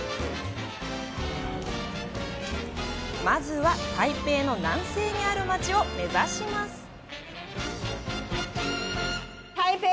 まずは、台北の南西にある街を目指します。